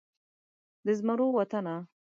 د زمرو وطنه